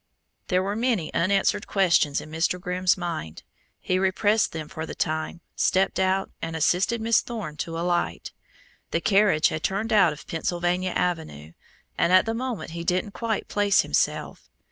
There were many unanswered questions in Mr. Grimm's mind. He repressed them for the time, stepped out and assisted Miss Thorne to alight. The carriage had turned out of Pennsylvania Avenue, and at the moment he didn't quite place himself.